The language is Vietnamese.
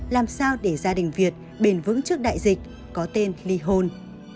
làm sao để gia đình việt bền vững trước đại dịch có tên ly hôn